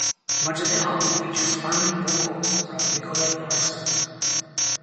Much of the album features harmony vocals from Nicolette Larson.